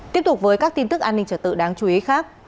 tiếp tục với các tin tức an ninh trở tự đáng chú ý khác